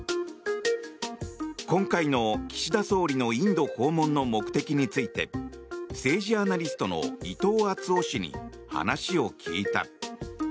今回の岸田総理のインド訪問の目的について政治アナリストの伊藤惇夫氏に話を聞いた。